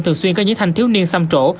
thường xuyên có những thanh thiếu niên xăm trổ